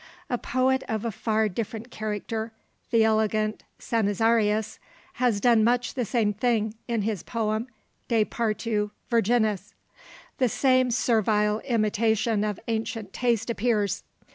A poet of a far different character, the elegant Sannazarius, has done much the same thing in his poem De Partu Virginis. The same servile imitation of ancient taste appears.